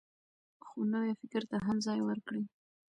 خو نوي فکر ته هم ځای ورکړئ.